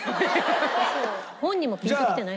本人もピンときてない。